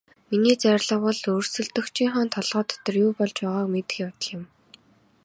Миний зорилго бол өрсөлдөгчийнхөө толгой дотор юу болж байгааг мэдэх явдал юм.